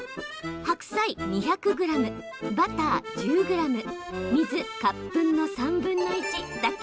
白菜２００ｇ、バター１０ｇ水カップ３分の１だけ。